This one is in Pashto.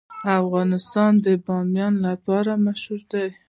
افغانستان د بامیان لپاره مشهور دی.